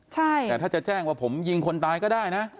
แต่ถ้าจะแจ้งว่าผมยิงคนตายก็ได้นะ